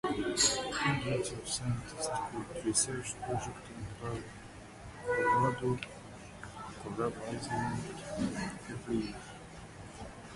Hundreds of scientists conduct research projects on Barro Colorado Island every year.